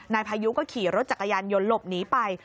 นายพายุก็ขี่รถจักรยานยนต์หลบหนีไป